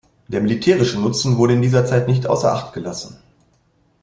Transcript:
Der militärische Nutzen wurde in dieser Zeit nicht außer Acht gelassen.